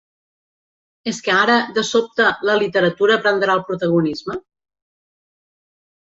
¿És que ara, de sobte, la literatura prendrà el protagonisme?